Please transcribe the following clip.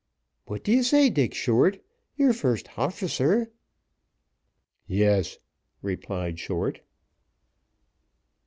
What do you say, Dick Short, you're first hofficer?" "Yes," replied Short.